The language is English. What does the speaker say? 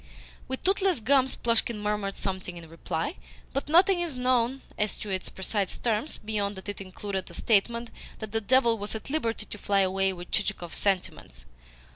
With toothless gums Plushkin murmured something in reply, but nothing is known as to its precise terms beyond that it included a statement that the devil was at liberty to fly away with Chichikov's sentiments.